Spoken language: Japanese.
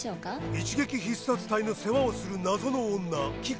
一撃必殺隊の世話をする謎の女キク。